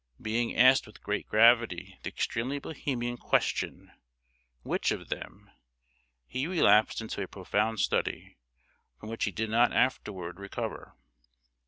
Being asked with great gravity the extremely Bohemian question, "Which of them?" he relapsed into a profound study, from which he did not afterward recover.